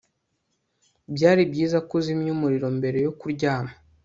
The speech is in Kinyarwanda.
byari byiza ko uzimya umuriro mbere yo kuryama